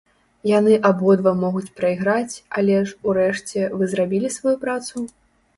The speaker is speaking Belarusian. Яны абодва могуць прайграць, але ж, урэшце, вы зрабілі сваю працу?